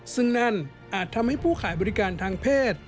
ซึ่งนั่นอาจทำให้ผู้ขายบริการทางเพศ